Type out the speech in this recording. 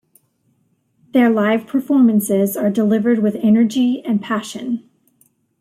Their live performances are delivered with energy and passion.